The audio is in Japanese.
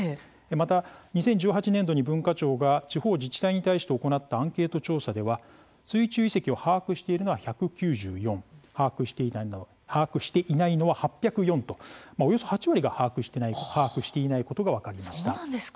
また２０１８年度に文化庁が地方自治体に対して行ったアンケート調査では水中遺跡を把握しているのは１９４把握していないのは８０４とおよそ８割が把握していないことが分かりました。